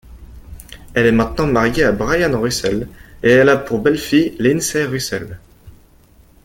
Elle est maintenant mariée à Brian Russell et elle a pour belle-fille, Lindsay Russell.